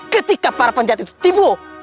ketika para penjahat itu tibu